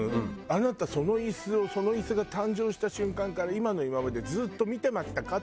あなたそのイスをそのイスが誕生した瞬間から今の今までずっと見てましたか？